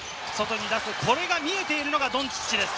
これが見えているのがドンチッチです。